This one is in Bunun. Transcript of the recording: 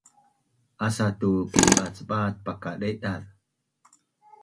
Asa tu painbacbac pakadaidaz